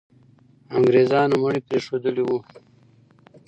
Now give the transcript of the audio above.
انګریزان مړي پرېښودلي وو.